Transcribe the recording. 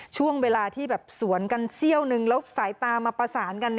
ช่วงเวลาที่แบบสวนกันเซี่ยวนึงแล้วสายตามาประสานกัน